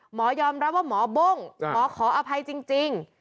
หมอยอมรับว่าหมอบ้งหมอขออภัยจริง